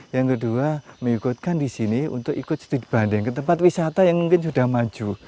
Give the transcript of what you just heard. yang kedua mengikutkan di sini untuk ikut studi banding ke tempat wisata yang mungkin sudah maju